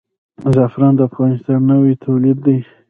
زعفران د افغانستان نوی تولید دی.